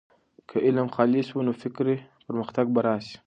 که علم خالص وي، نو فکري پرمختګ به راسي.